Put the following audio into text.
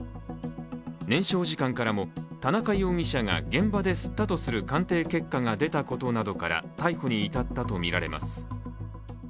燃焼時間からも、田中容疑者が現場で吸ったとする鑑定結果が出たことから、逮捕に至ったとみられます。